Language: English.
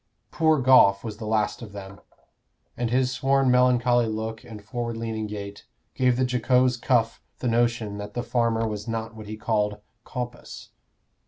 Poor Goffe was the last of them, and his worn melancholy look and forward leaning gait gave the jocose Cuff the notion that the farmer was not what he called "compus."